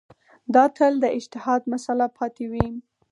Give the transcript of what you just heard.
دا تل د اجتهاد مسأله پاتې وي.